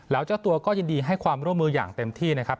แล้วเจ้าตัวก็ยินดีให้ความร่วมมืออย่างเต็มที่นะครับ